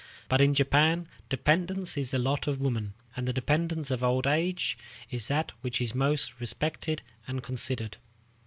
But in Japan, dependence is the lot of woman, and the dependence of old age is that which is most respected and considered.